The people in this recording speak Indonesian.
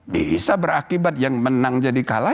bisa berakibat yang menang jadi kalah